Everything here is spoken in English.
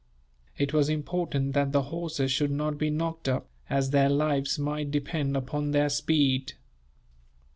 It was important that the horses should not be knocked up, as their lives might depend upon their speed.